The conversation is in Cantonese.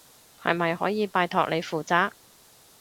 係咪可以拜託你負責？